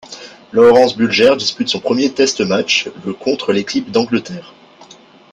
Lawrence Bulger dispute son premier test match le contre l'équipe d'Angleterre.